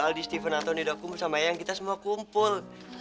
aldi steven antoni dokum sama ayang kita semua kumpul